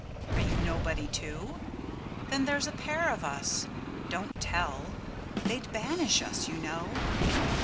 Are you nobody, too? Then there 's a pair of us—don't tell! They 'd banish us, you know.